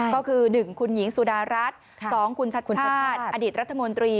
ก็คือ๑คุณหญิงสุดารัฐ๒คุณชัชทาสอดิษฐ์รัฐมนตรี